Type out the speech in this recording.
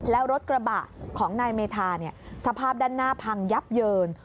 แล้วรถกระบะของนายเมธาสภาพด้านหน้าพังยับเยิน